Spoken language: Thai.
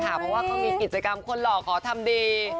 เพราะว่าเขามีกิจกรรมคนหล่อขอทำดี